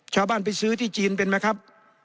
ชาวบ้านไปซื้อที่จีนเป็นไหมครับ